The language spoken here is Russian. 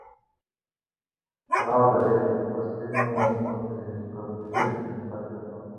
Правда, этих растений, по приблизительным подсчетам